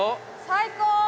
最高！